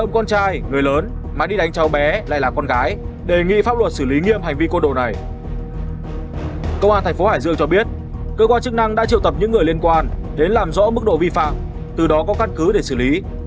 công an thành phố hải dương cho biết cơ quan chức năng đã triệu tập những người liên quan đến làm rõ mức độ vi phạm từ đó có căn cứ để xử lý